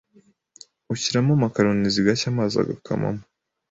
ushyiramo macaroni zigashya amazi agakamamo